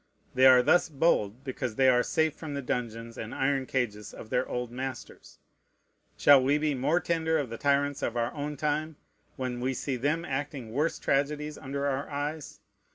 They are thus bold, because they are safe from the dungeons and iron cages of their old masters. Shall we be more tender of the tyrants of our own time, when we see them acting worse tragedies under our eyes?